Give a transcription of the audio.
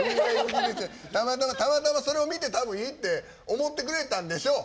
たまたまたまたまそれを見て多分いいって思ってくれたんでしょう。